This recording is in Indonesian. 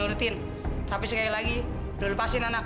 arah ngapain lagi sih lo kesini